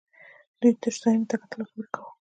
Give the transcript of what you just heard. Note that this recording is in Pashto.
دوی تشو ځایونو ته کتل او فکر یې کاوه